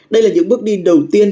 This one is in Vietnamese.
đây là những bước đi đầu tiên